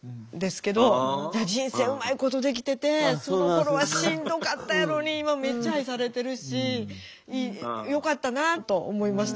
いや人生うまいことできててそのころはしんどかったやろに今めっちゃ愛されてるしよかったなあと思いましたよ。